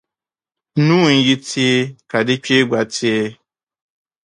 Nuu n-yi teei ka di kpee gba teei.